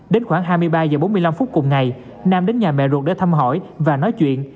đến khoảng hai mươi ba h bốn mươi năm phút cùng ngày nam đến nhà mẹ ruột để thăm hỏi và nói chuyện